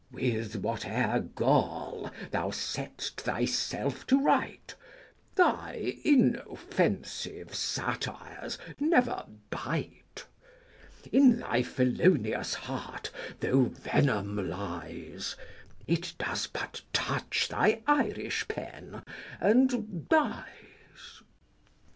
With whate'er gall thou sett'st thyself to write, Thy inoffensive satires never bite. 200 In thy felonious heart though venom lies, It does but touch thy Irish pen, and dies.